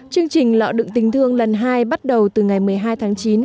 chương trình lọ đựng tình thương lần hai bắt đầu từ ngày một mươi hai tháng chín